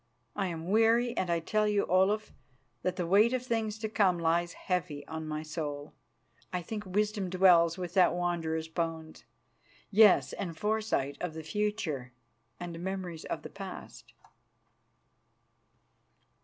I am weary, and I tell you, Olaf, that the weight of things to come lies heavy on my soul. I think wisdom dwells with that Wanderer's bones. Yes, and foresight of the future and memories of the past."